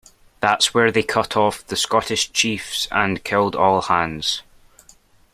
That's where they cut off the Scottish Chiefs and killed all hands.